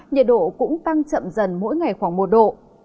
nhiệt độ cũng tăng chậm dần mỗi ngày khoảng một độ